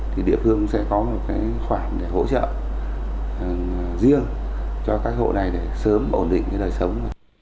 thì địa phương sẽ có một cái khoản để hỗ trợ riêng cho các hộ này để sớm ổn định cái đời sống